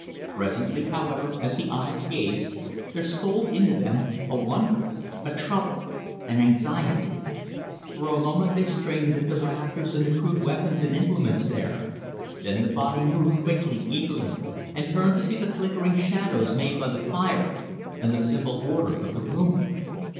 Presently, however, as the eyes gazed, there stole into them a wonder, a trouble, an anxiety. For a moment they strained at the rafters and the crude weapons and implements there, then the body moved, quickly, eagerly, and turned to see the flickering shadows made by the fire and the simple order of the room.